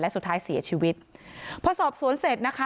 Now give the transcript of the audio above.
สุดท้ายเสียชีวิตพอสอบสวนเสร็จนะคะ